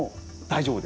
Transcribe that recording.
大丈夫？